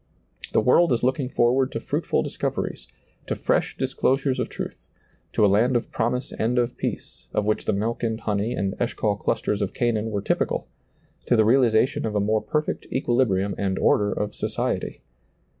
The world is looking forward to fruitful discov eries, to fresh disclosures of truth, to a land of promise and of peace, of which the milk and honey and Eshcol clusters of Canaan were typ ical ; to the realization of a more perfect equilib rium and order of society.